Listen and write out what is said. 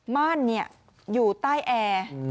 มั่นอยู่ใต้แอร์